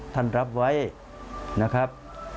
ท่านรับไว้นะครับ